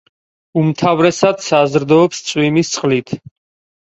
უმთავრესად საზრდოობს წვიმის წყლით.